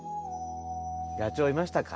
野鳥いましたか？